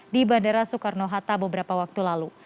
di bandara soekarno hatta beberapa waktu lalu